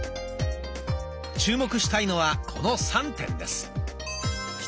注目したいのはこの３点です。